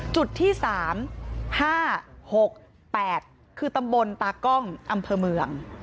จุดที่๓๕๖๘คือตำบลตากล้องอำเภอเมือง